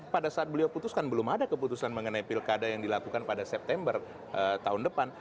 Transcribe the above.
pada saat beliau putuskan belum ada keputusan mengenai pilkada yang dilakukan pada september tahun depan